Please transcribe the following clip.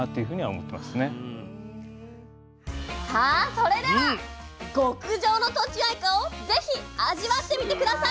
それでは極上のとちあいかを是非味わってみて下さい。